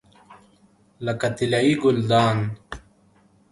لکه طلایي ګلدان.